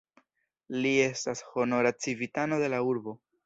Li estas honora civitano de la urbo.